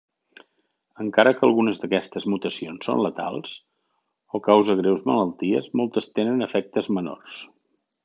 Encara que algunes d'aquestes mutacions són letals, o cause greus malalties, moltes tenen efectes menors.